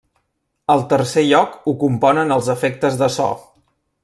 El tercer lloc ho componen els efectes de so.